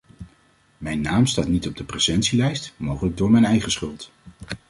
Mijn naam staat niet op de presentielijst, mogelijk door mijn eigen schuld.